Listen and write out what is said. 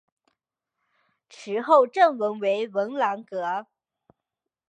池后正中为文澜阁。